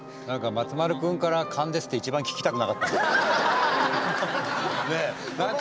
松丸君から勘ですって僕も言いたくなかった！